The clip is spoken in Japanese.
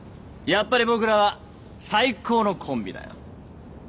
やっぱり僕らは最高のコンビだよ。